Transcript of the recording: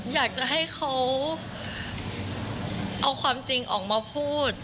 อยากจะให้เขาเอาความจริงออกมาพูด